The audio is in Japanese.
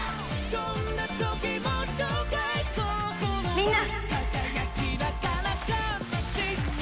みんな！